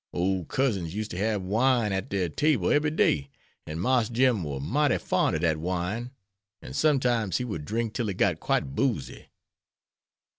Ole Cousins used to have wine at dere table ebery day, an' Marse Jim war mighty fon' ob dat wine, an' sometimes he would drink till he got quite boozy.